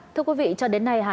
thưa quý vị cho đến nay hà nội